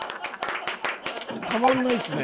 たまんないですね。